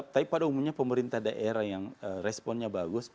tapi pada umumnya pemerintah daerah yang responnya bagus